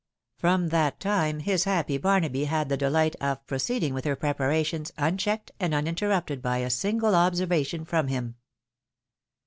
From that time his happy Barnaby had the delight of proceeding with her preparations unchecked and uninter rupted by a single observation from him.